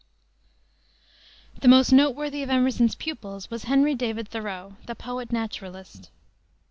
The most noteworthy of Emerson's pupils was Henry David Thoreau, "the poet naturalist."